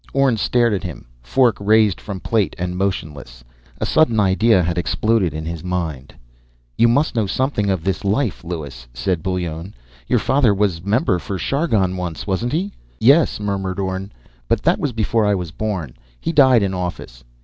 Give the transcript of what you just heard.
Orne stared at him, fork raised from plate and motionless. A sudden idea had exploded in his mind. "You must know something of this life, Lewis," said Bullone. "Your father was member for Chargon once, wasn't he?" "Yes," murmured Orne. "But that was before I was born. He died in office."